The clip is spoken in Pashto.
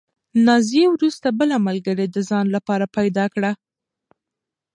نازیې وروسته بله ملګرې د ځان لپاره پیدا کړه.